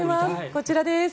こちらです。